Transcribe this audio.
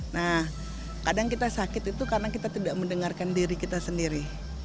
nah kadang kita sakit itu karena kita tidak mendengarkan diri kita sendiri